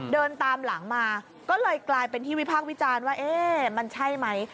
เดินตามหลังมาก็เลยกลายเป็นที่วิพากษ์วิจารณ์ว่าเอ๊ะมันใช่ไหม